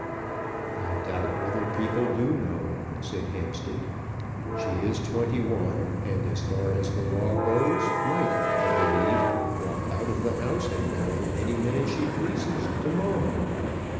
"I doubt whether people do know," said Hampstead. "She is twenty one, and as far as the law goes might, I believe, walk out of the house, and marry any man she pleases to morrow.